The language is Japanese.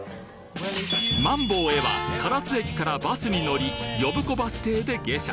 萬坊へは唐津駅からバスに乗り呼子バス停で下車。